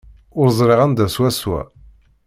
Ur ẓriɣ anda swaswa.